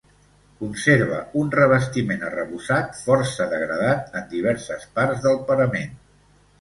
Conserva un revestiment arrebossat força degradat en diverses parts del parament.